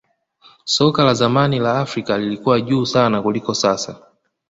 soka la zamani la afrika lilikuwa juu sana kuliko sasa